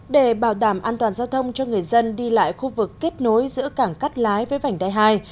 để bảo đảm an toàn giao thông cho người dân đi lại khu vực kết nối giữa cảng cắt lái với vành đai hai